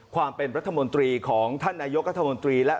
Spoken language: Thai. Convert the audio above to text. ความเป็นรัฐมนตรีของท่านนายกรัฐมนตรีและ